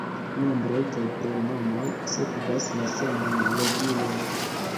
Nombroj kaj pronomoj sekvas la saman regulon.